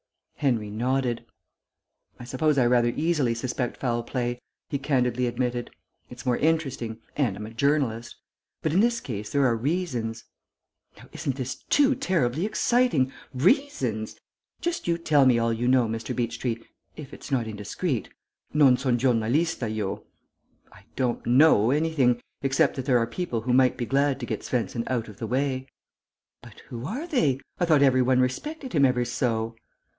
Henry nodded. "I suppose I rather easily suspect foul play," he candidly admitted. "It's more interesting, and I'm a journalist. But in this case there are reasons " "Now isn't this too terribly exciting! Reasons! Just you tell me all you know, Mr. Beechtree, if it's not indiscreet. Non son' giornalista, io!" "I don't know anything. Except that there are people who might be glad to get Svensen out of the way." "But who are they? I thought every one respected him ever so!"